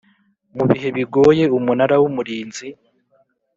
mu bihe bigoye Umunara w Umurinzi